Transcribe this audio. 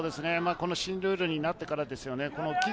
この新ルールになってからですよね。